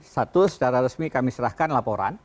satu secara resmi kami serahkan laporan